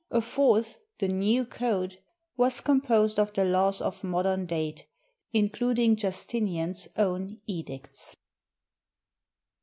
A fourth, "The New Code," was composed of the laws of modern date, including Justinian's own edicts.